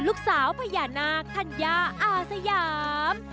ลูกสาวพญานาคธัญญาอาสยาม